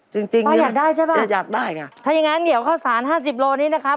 จริงเนี่ยอยากได้นะครับถ้ายังงั้นเดี๋ยวเข้าสาร๕๐กิโลกรัมนี้นะครับ